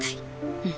うん。